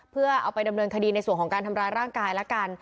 เพื่อเอาไปดำเนินคดีในส่วนของการทำร้ายร่างกายแล้วกัน